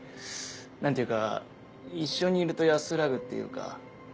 何ていうか一緒にいると安らぐっていうか。